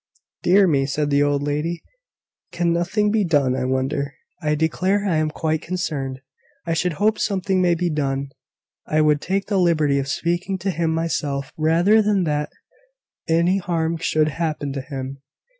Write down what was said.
"Dear me!" said the old lady, "can nothing be done, I wonder. I declare I am quite concerned. I should hope something may be done. I would take the liberty of speaking to him myself, rather than that any harm should happen to him.